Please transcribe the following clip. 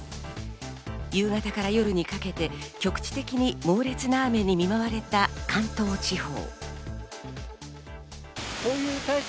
夕方から夜にかけて局地的に猛烈な雨に見舞われた関東地方。